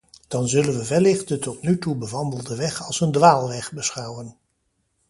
Dan zullen we wellicht de tot nu toe bewandelde weg als een dwaalweg beschouwen.